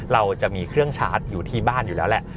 เราจะมีเครื่องชาร์จอยู่ที่บ้านอยู่แล้วแหละ